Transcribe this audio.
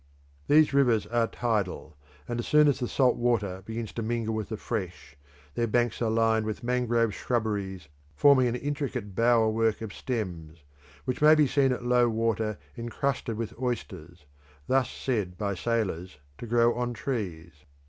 These rivers are tidal, and as soon as the salt water begins to mingle with the fresh, their banks are lined with mangrove shrubberies, forming an intricate bower work of stems, which may be seen at low water encrusted with oysters, thus said by sailors to grow on trees.